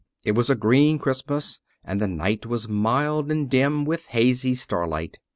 It was a green Christmas, and the night was mild and dim, with hazy starlight.